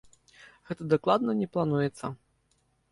Гэта дакладна не плануецца.